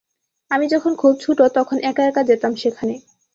আমি যখন খুব ছোট, তখন একা-একা যেতাম সেখানে।